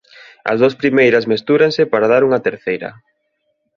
As dúas primeiras mestúranse para dar unha terceira.